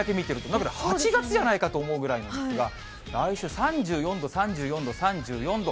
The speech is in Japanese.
なんか８月じゃないかと思うぐらいなんですが、来週３４度、３４度、３４度。